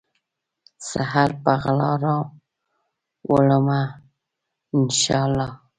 سحر په غلا راوړمه ، ان شا الله